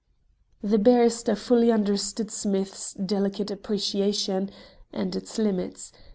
The barrister fully understood Smith's delicate appreciation and its limits.